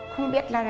không biết là